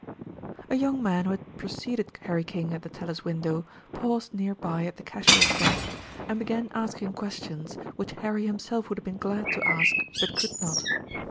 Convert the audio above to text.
A young man who had preceded Harry King at the teller's window paused near by at the cashier's desk and began asking questions which Harry himself would have been glad to ask, but could not.